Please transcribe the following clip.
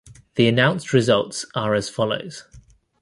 The announced results are as follows.